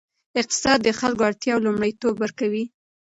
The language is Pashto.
اقتصاد د خلکو اړتیاوې لومړیتوب ورکوي.